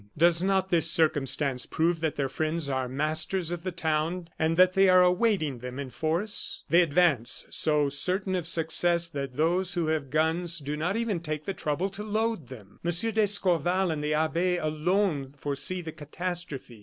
Does not this circumstance prove that their friends are masters of the town, and that they are awaiting them in force? They advance, so certain of success that those who have guns do not even take the trouble to load them. M. d'Escorval and the abbe alone foresee the catastrophe.